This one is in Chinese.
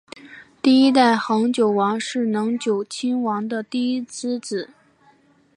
第一代恒久王是能久亲王的第一子。